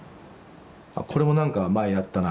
「これもなんか前やったな。